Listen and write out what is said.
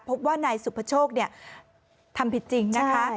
พบว่านายสุภโชคทำผิดจริงนะคะ